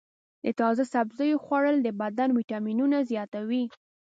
د تازه سبزیو خوړل د بدن ویټامینونه زیاتوي.